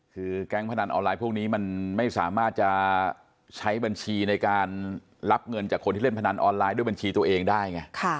คือแก๊งพนันออนไลน์พวกนี้มันไม่สามารถจะใช้บัญชีในการรับเงินจากคนที่เล่นพนันออนไลน์ด้วยบัญชีตัวเองได้ไง